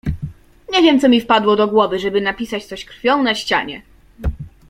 "Nie wiem co mi wpadło do głowy, żeby napisać coś krwią na ścianie."